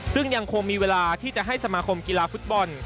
ซึ่งยังคงมีเวลาที่จะให้สมาคมกีฬาฟุตบอล